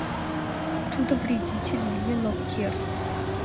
Тудо вредитель лийын ок керт.